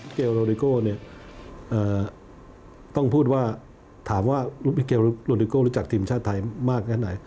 มิเกลโรดิโก้ต้องถามว่ามิเกลโรดิโก้รู้จักทีมชาติไทยมากไง